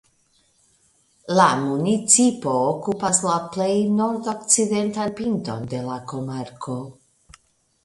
La municipo okupas la plej nordokcidentan pinton de la komarko.